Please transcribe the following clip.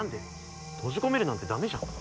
閉じ込めるなんてダメじゃん。